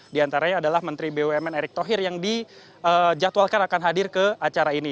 di antaranya adalah menteri bumn erick thohir yang dijadwalkan akan hadir ke acara ini